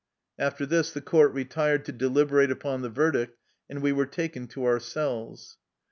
'' After this the court retired to deliberate upon the verdict, and we were taken to our cells.